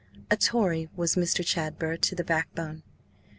A Tory was Mr. Chadber to the backbone.